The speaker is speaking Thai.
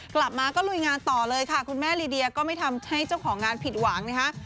กลับมาก็ลุยงานต่อเลยค่ะคุณแม่ลีเดียก็ไม่ทำให้เจ้าของงานผิดหวังนะคะ